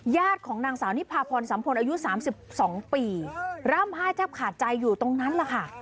ของนางสาวนิพาพรสัมพลอายุ๓๒ปีร่ำไห้แทบขาดใจอยู่ตรงนั้นแหละค่ะ